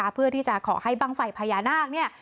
เพื่อที่จะขอให้บ้างไฟพญานาคเนี่ย